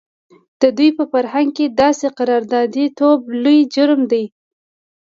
د دوی په فرهنګ کې داسې قراردادي توب لوی جرم دی.